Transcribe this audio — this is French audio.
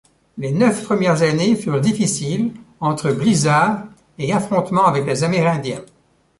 Les neuf premières années furent difficiles, entre blizzard et affrontements avec les Amérindiens.